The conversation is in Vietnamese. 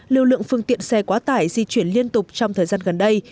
lưu lượng phương tiện xe quá tải di chuyển liên tục trong thời gian gần đây